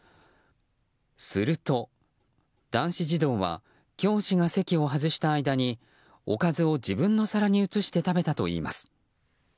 すると、男子児童は教師が席を外した間におかずを自分の皿に移して食べたといいます。